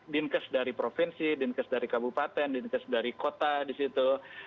dinkes dari provinsi dinkes dari kabupaten dinkes dari kota di situ